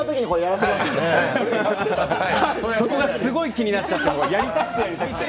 そんな、すごい気になっちゃってやりたくてやりたくて。